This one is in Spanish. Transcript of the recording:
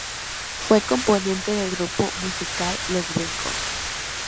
Fue componente del grupo musical Los Brincos.